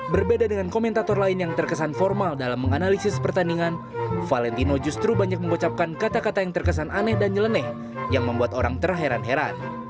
berbeda dengan komentator lain yang terkesan formal dalam menganalisis pertandingan valentino justru banyak mengucapkan kata kata yang terkesan aneh dan nyeleneh yang membuat orang terheran heran